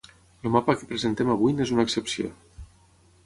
El mapa que presentem avui n’és una excepció.